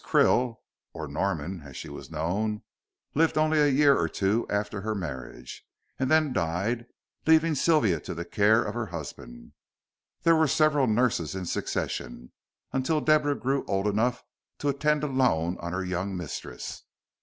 Krill or Norman as she was known lived only a year or two after her marriage, and then died, leaving Sylvia to the care of her husband. There were several nurses in succession, until Deborah grew old enough to attend alone on her young mistress.